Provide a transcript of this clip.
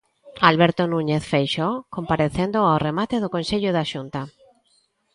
Alberto Núñez Feixóo comparecendo ao remate do Consello da Xunta.